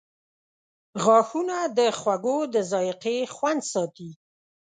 • غاښونه د خوړو د ذایقې خوند ساتي.